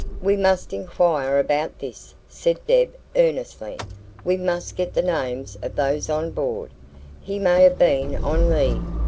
"We must inquire about this," said Deb earnestly. "We must get the names of those on board. He may have been on leave."